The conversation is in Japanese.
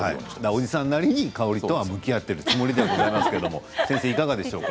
おじさんなりに香りとは向き合っているつもりでございますが先生いかがでしょう。